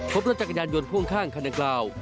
พบรถจากกระยานยนต์พ่วงข้างคันแรกราว